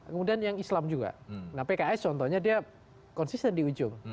kemudian yang islam juga nah pks contohnya dia konsisten di ujung